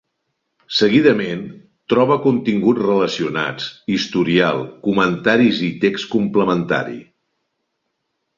Seguidament, troba continguts relacionats, historial, comentaris i text complementari.